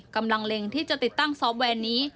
กำลังเล็งที่จะติดตั้งซอฟต์แวนนี้